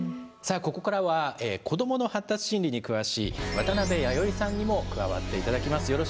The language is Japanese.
さあここからは子どもの発達心理に詳しい渡辺弥生さんにも加わって頂きます。